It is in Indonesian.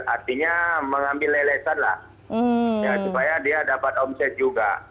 artinya mengambil lelesan lah ya supaya dia dapat omset juga